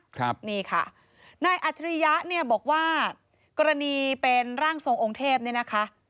ครับนี่ค่ะนายอัจฉริยะเนี่ยบอกว่ากรณีเป็นร่างทรงองค์เทพเนี่ยนะคะ